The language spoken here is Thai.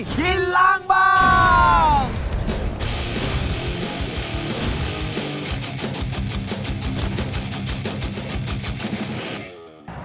กินล้างบาง